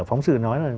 phóng sự nói là